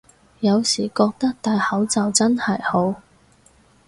有時覺得戴口罩真係好